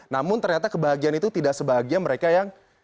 namun ternyata kebahagiaan itu tidak sebahagia mereka yang